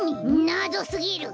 なぞすぎる。